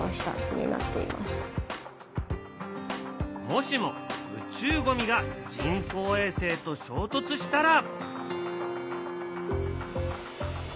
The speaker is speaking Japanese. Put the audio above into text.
もしも宇宙ゴミが人工衛星と衝突したら。